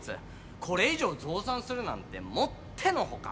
これ以上ぞうさんするなんてもってのほか。